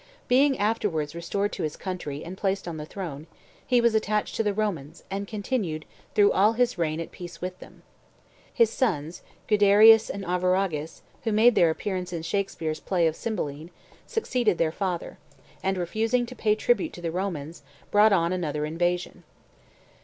Being afterwards restored to his country, and placed on the throne, he was attached to the Romans, and continued through all his reign at peace with them. His sons, Guiderius and Arviragus, who made their appearance in Shakspeare's play of "Cymbeline," succeeded their father, and, refusing to pay tribute to the Romans, brought on another invasion.